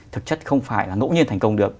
thực chất không phải là ngẫu nhiên thành công được